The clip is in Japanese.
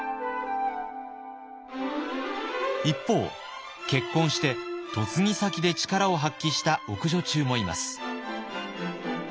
一方結婚して嫁ぎ先で力を発揮した奥女中もいます。